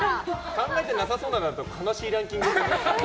考えてなさそうだったら悲しいランキングに。